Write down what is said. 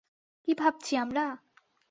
কী ভাবছি আমরা?